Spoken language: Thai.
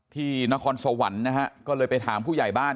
ที่นครสวรรค์นะฮะก็เลยไปถามผู้ใหญ่บ้าน